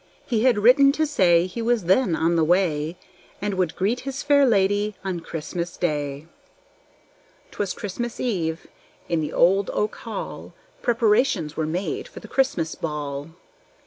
He had written to say he was then on the way, And would greet his fair lady on Christmas day. 'Twas Christmas eve. In the old oak hall Preparations were made for the Christmas ball.